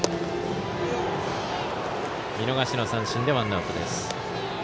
見逃しの三振でワンアウトです。